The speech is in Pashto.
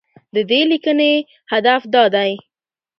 د دې متن لیکنې هدف دا دی